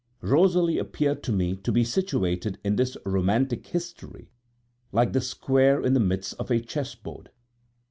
Rosalie appeared to me to be situated in this romantic history like the square in the midst of a chessboard.